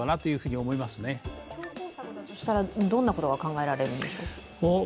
強硬策だとしたらどんなことが考えられるんでしょう。